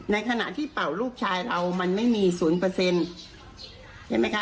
ในขณะที่เป่ารูปชายเรามันไม่มีสูงประเซ็นต์เห็นมั้ยคะ